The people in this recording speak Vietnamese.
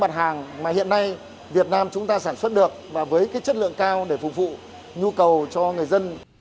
mặt hàng mà hiện nay việt nam chúng ta sản xuất được và với cái chất lượng cao để phục vụ nhu cầu cho người dân